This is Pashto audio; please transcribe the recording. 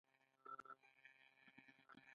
آیا د نیالګیو کینول د پسرلي پیل نه دی؟